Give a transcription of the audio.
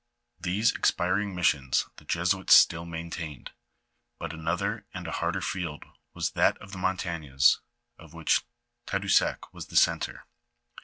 These expiring missions the Jesuits still maintained ; but another and a harder field was that of the Montagnais, of which Tadoussac was the centre.